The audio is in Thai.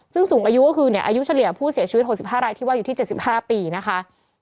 ซึ่งสูงอายุก็คืออายุเฉลี่ยผู้เสียชีวิต๖๕รายที่ว่าอยู่ที่๗๕ปีนะคะ